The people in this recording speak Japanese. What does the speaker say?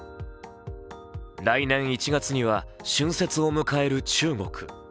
来年１月には春節を迎える中国。